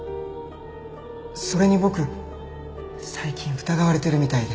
それに僕最近疑われてるみたいで。